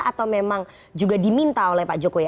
atau memang juga diminta oleh pak jokowi